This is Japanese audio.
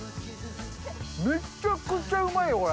めちゃくちゃうまいよ、これ。